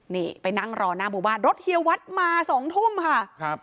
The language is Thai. นี่ไปนั่งรอน้านหมู่บ้านรถเฮียวัฒน์มา๒ทุ่มค่ะ